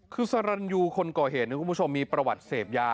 คือสรรยูคนก่อเหตุนะคุณผู้ชมมีประวัติเสพยา